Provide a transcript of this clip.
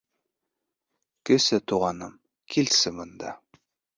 Кесе Туғаным, килсе бында!